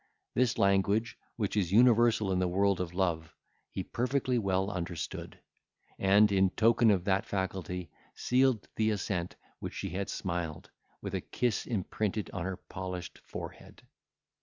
This language, which is universal in the world of love, he perfectly well understood, and, in token of that faculty, sealed the assent which she had smiled, with a kiss imprinted on her polished forehead.